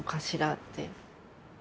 って。